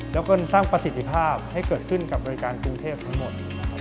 แล้วก็สร้างประสิทธิภาพให้เกิดขึ้นกับบริการกรุงเทพทั้งหมด